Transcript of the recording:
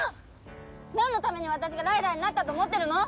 なんのために私がライダーになったと思ってるの！？